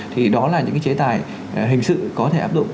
thì đó là những cái chế tài hình sự có thể áp dụng